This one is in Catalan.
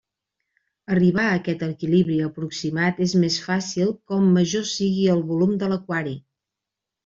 Arribar a aquest equilibri aproximat és més fàcil com major sigui el volum de l'aquari.